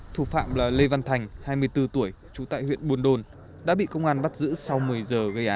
thủ phạm là lê văn thành hai mươi bốn tuổi trú tại huyện buôn đôn đã bị công an bắt giữ sau một mươi giờ gây án